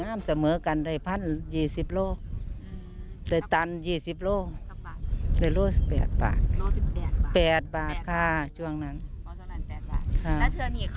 นี่เหมือนแรงกับสิรกค่ะ